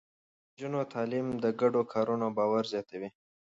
د نجونو تعليم د ګډو کارونو باور زياتوي.